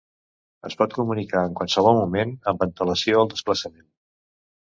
Es pot comunicar en qualsevol moment amb antelació al desplaçament.